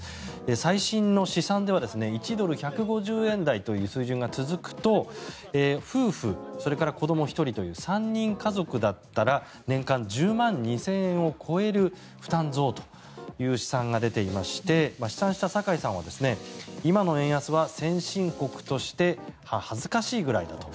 最新の試算では１ドル＝１５０円台という数字が続くと夫婦、それから子ども１人という３人家族だったら年間１０万２０００円を超える負担増という試算が出ていまして試算した酒井さんは今の円安は先進国として恥ずかしいくらいだと。